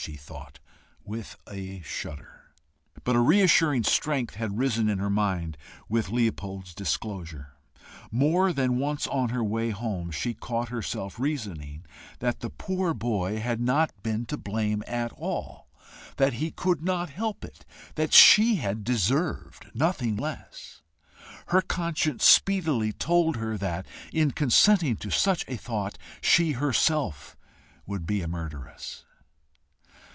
she thought with a shudder. But a reassuring strength had risen in her mind with Leopold's disclosure. More than once on her way home she caught herself reasoning that the poor boy had not been to blame at all that he could not help it that she had deserved nothing less. Her conscience speedily told her that in consenting to such a thought, she herself would be a murderess.